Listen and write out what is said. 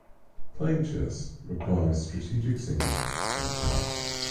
Playing chess requires strategic thinking and planning.